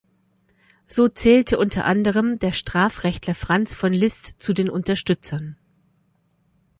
So zählte unter anderem der Strafrechtler Franz von Liszt zu den Unterstützern.